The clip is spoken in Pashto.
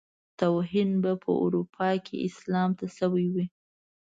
توهين به په اروپا کې اسلام ته شوی وي.